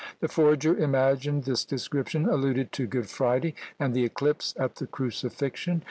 The forger imagined this description alluded to Good Friday and the eclipse at the Crucifixion.